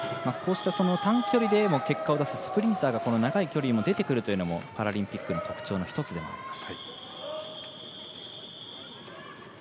短距離でも結果を出すスプリンターが長い距離も出てくるというのがパラリンピックの特徴の１つでもあります。